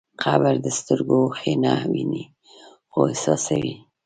قبر د سترګو اوښکې نه ویني، خو احساسوي.